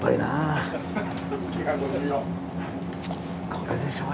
これでしょう